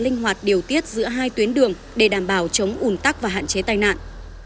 linh hoạt điều tiết giữa hai tuyến đường để đảm bảo chống un tắc và hạn chế tai nạn